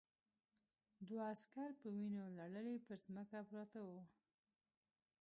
دوه عسکر په وینو لړلي پر ځمکه پراته وو